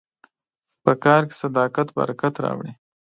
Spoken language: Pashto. په کار کې صداقت برکت راوړي.